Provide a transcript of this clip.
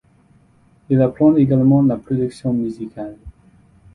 Il apprend également la production musicale.